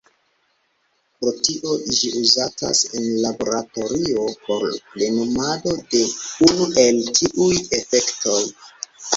Pro tio, ĝi uzatas en laboratorio por plenumado de unu el tiuj efektoj.